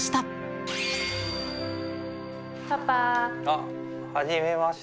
あっ初めまして。